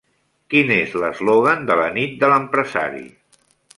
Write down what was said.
Quin és l'eslògan de la Nit de l'Empresari?